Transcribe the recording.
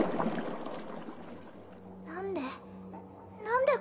何で？